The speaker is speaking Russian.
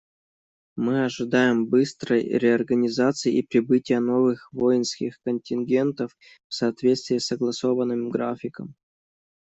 Мы ожидаем быстрой реорганизации и прибытия новых воинских контингентов в соответствии с согласованным графиком.